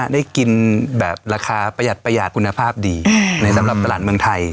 ได้กินแบบราคาประหยัดประหยัดคุณภาพดีในสำหรับตลาดเมืองไทย